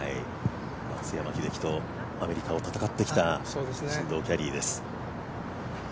松山英樹とアメリカを戦ってきた進藤キャディーです。